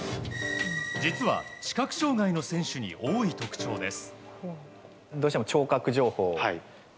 実は、視覚障害の選手に多い特徴です。